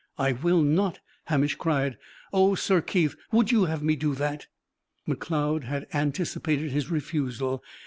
"I will not!" Hamish cried. "O Sir Keith, would you have me do that?" Macleod had anticipated his refusal.